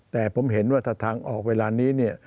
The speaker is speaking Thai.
แต่ผมเห็นว่าถ้าทางออกเวลานี้เนี่ย